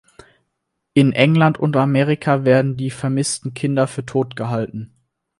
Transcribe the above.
In England und Amerika werden die vermissten Kinder für tot gehalten.